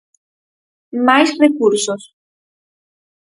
Máis recursos.